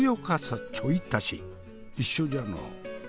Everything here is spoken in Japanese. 一緒じゃのう。